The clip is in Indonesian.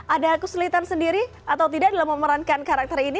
ada kesulitan sendiri atau tidak dalam memerankan karakter ini